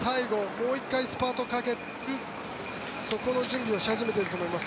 もう１回スパートをかけるそこの準備をし始めていると思います。